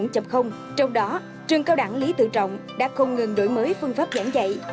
trong đó trường cao đẳng lý tự trọng đã không ngừng đổi mới phương pháp giảng dạy